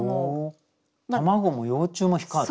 卵も幼虫も光る？